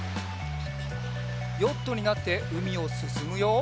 ヨットになってうみをすすむよ。